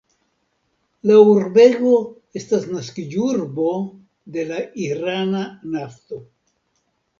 La urbego estas naskiĝurbo de la irana nafto.